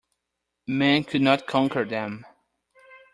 Man could not conquer them.